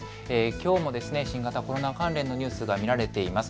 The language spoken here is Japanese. きょうも新型コロナ関連のニュースが見られています。